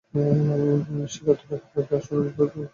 শিকার ধরার ক্ষেত্রে, আসন্ন বিপদ থেকে সকলকে সতর্ক করতে।